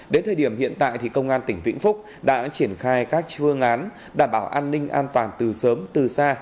đến thời điểm hiện tại thì công an tỉnh vĩnh phúc đã triển khai các phương án đảm bảo an ninh an toàn từ sớm từ xa